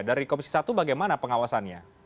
dari komisi satu bagaimana pengawasannya